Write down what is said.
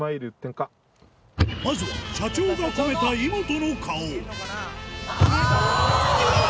まずは社長が込めたイモトの顔あぁ！